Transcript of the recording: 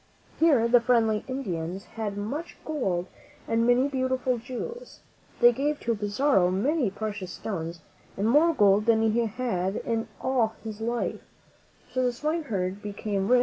Here the friendly Indians had much gold and many beautiful jewels. They gave to Pizarro many precious stones and more gold than he had had in all his life; so the swineherd became rich at last.